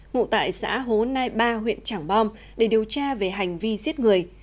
ngụ tại xã hố nai ba huyện trảng bom để điều tra về hành vi giết người